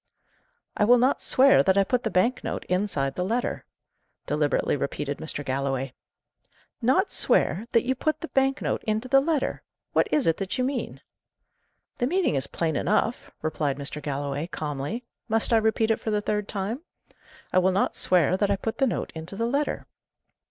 "I will not swear that I put the bank note inside the letter," deliberately repeated Mr. Galloway. "Not swear that you put the bank note into the letter? What is it that you mean?" "The meaning is plain enough," replied Mr. Galloway, calmly. "Must I repeat it for the third time? I will not swear that I put the note into the letter."